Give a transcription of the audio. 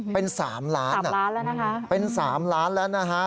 เป็น๓ล้านเป็น๓ล้านแล้วนะฮะ